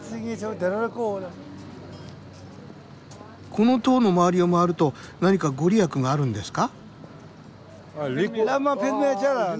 この塔の周りを回ると何か御利益があるんですか？